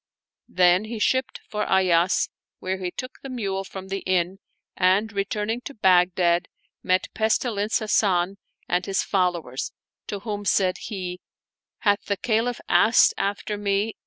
Then he shipped for Ayas, where he took the mule from the inn and, re turning to Baghdad met Pestilence Hasan and his fol lowers, to whom said he, " Hath the Caliph asked after me